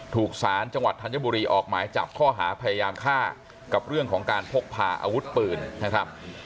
สารจังหวัดธัญบุรีออกหมายจับข้อหาพยายามฆ่ากับเรื่องของการพกพาอาวุธปืนนะครับ